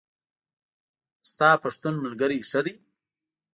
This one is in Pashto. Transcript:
د تا پښتون ملګری ښه ده